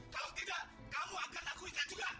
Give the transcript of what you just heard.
kalau tidak kamu akan aku ikat juga